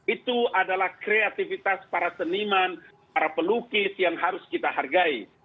itu adalah kreativitas para seniman para pelukis yang harus kita hargai